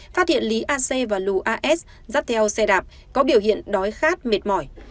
phát hiện lý a c và lù as dắt theo xe đạp có biểu hiện đói khát mệt mỏi